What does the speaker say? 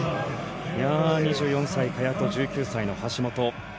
いや、２４歳、萱と１９歳の橋本。